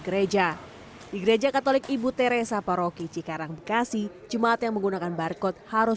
gereja di gereja katolik ibu teresa paroki cikarang bekasi jemaat yang menggunakan barcode harus